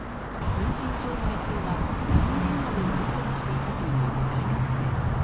通信障害中はＬＩＮＥ電話でやり取りしていたという大学生。